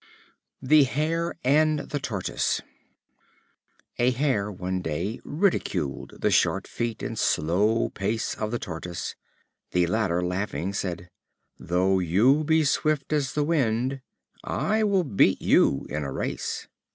The Hare and the Tortoise. A Hare one day ridiculed the short feet and slow pace of the Tortoise. The latter, laughing, said: "Though you be swift as the wind, I will beat you in a race."